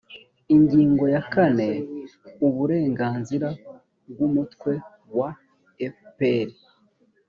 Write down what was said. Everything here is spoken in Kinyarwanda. ingingo ya kane uburenganzira bw umutwe wa fpr